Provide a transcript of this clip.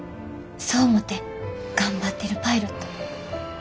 そう思って頑張ってるパイロット。